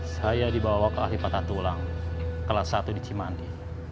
saya dibawa ke arifatan tulang kelas satu di cimandi